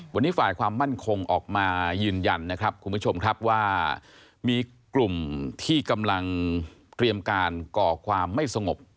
วันนี้ฝ่ายความมั่นคงออกมายืนยันนะครับคุณผู้ชมครับว่ามีกลุ่มที่กำลังเตรียมการก่อความไม่สงบ